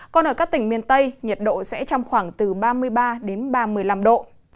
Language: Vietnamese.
còn ở các tỉnh miền tây nhiệt độ sẽ trong khoảng từ ba mươi ba đến ba mươi năm độ